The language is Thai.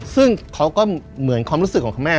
ซึ่งเขาก็เหมือนความรู้สึกของคุณแม่